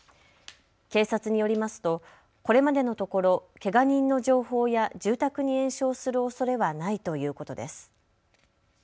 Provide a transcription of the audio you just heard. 警察によりますと、これまでのところ、けが人の情報や住宅に延焼するおそれはないということです。